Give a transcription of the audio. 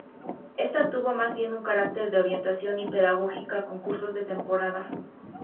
Esta tuvo más bien un carácter de orientación pedagógica con cursos de temporada.